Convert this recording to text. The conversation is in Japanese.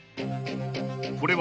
［これは］